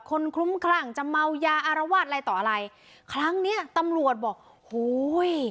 คลุ้มคลั่งจะเมายาอารวาสอะไรต่ออะไรครั้งเนี้ยตำรวจบอกโหย